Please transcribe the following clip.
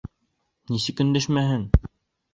Нисек өндәшмәһен?